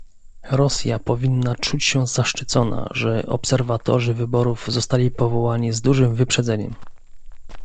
Rosja powinna czuć się zaszczycona, że obserwatorzy wyborów zostali powołani z dużym wyprzedzeniem